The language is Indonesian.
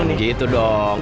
kalian gitu dong